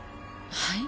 はい？